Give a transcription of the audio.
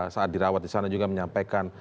saat dirawat di sana juga menyampaikan